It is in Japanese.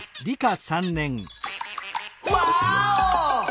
ワーオ！